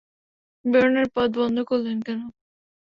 বেরোনোর পথ বন্ধ করলে কেন?